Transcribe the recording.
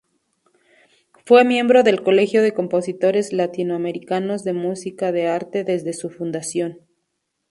Fue miembro del Colegio de Compositores Latinoamericanos de Música de Arte desde su fundación.